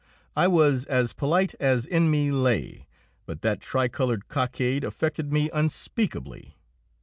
I was as polite as in me lay, but that tricoloured cockade affected me unspeakably.